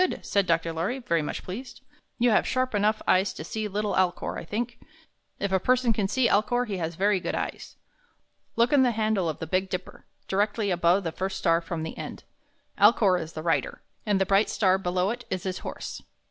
said Dr. Lorry, very much pleased. "You have sharp enough eyes to see little Alcor, I think. If a person can see Alcor, he has very good eyes. Look in the handle of the Big Dipper, directly above the first star from the end. Alcor is the Rider, and the bright star below it is his Horse."